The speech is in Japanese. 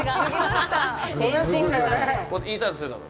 こうやってインサイドするだろ。